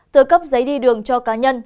tự cấp giấy đi đường cho cá nhân